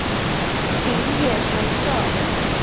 平野神社。